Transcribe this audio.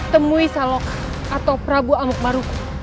temui saloka atau prabu amuk baruku